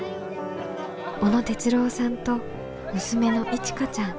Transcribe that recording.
小野哲郎さんと娘のいちかちゃん。